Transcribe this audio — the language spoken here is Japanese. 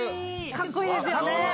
かっこいいですよね。